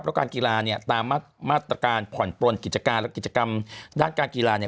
เพราะการกีฬาเนี่ยตามมาตรการผ่อนปลนกิจการและกิจกรรมด้านการกีฬาเนี่ย